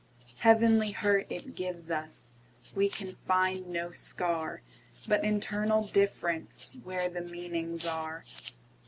Heavenly hurt it gives us; We can find no scar, But internal differenceWhere the meanings are.